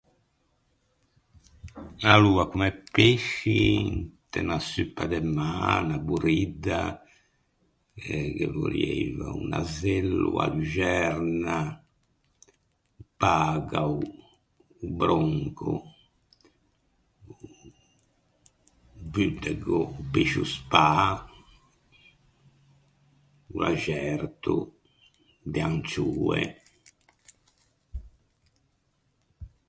Aloa comme pesci inte unna suppa de mâ, unna boridda, ghe vorrieiva un nasello, a luxerna, o pagao, o bronco, o budego, o pescio spâ, o laxerto, de ancioe.